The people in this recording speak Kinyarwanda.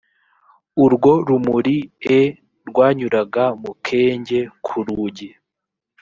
urwo rumuri e rwanyuraga mu kenge k’urugi